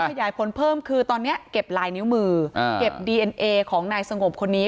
ขยายผลเพิ่มคือตอนนี้เก็บลายนิ้วมือเก็บดีเอ็นเอของนายสงบคนนี้